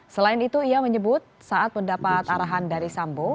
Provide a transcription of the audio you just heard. selain itu ia menyebut saat mendapat arahan dari sambo